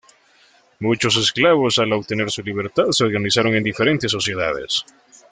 Muchos esclavos al obtener su libertad se organizaron en diferentes sociedades.